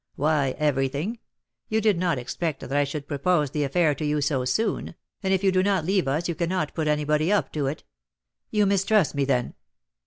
"Why, everything. You did not expect that I should propose the affair to you so soon, and if you do not leave us you cannot put anybody up to it." "You mistrust me, then?"